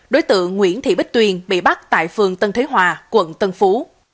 đối tượng nguyễn thị bích tuyền bị bắt tại phường tân thế hòa quận tân phú